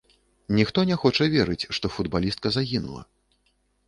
Ніхто не хоча верыць, што футбалістка загінула.